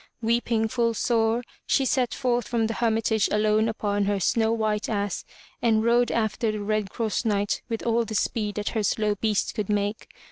Weeping full sore, she set forth from the Hermitage alone upon her snow white ass and rode after the Red Cross Knight with all the speed that her slow beast could make.